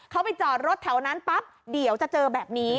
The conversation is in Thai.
เขาไปจอดรถแถวนั้นปั๊บเดี๋ยวจะเจอแบบนี้